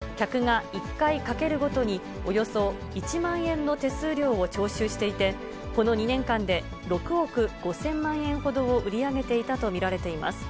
店は客が１回賭けるごとに、およそ１万円の手数料を徴収していて、この２年間で６億５０００万円ほどを売り上げていたと見られています。